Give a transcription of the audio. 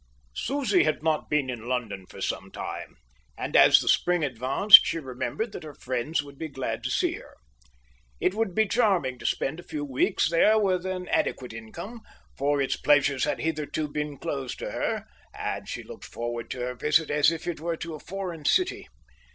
Susie had not been in London for some time, and as the spring advanced she remembered that her friends would be glad to see her. It would be charming to spend a few weeks there with an adequate income; for its pleasures had hitherto been closed to her, and she looked forward to her visit as if it were to a foreign city.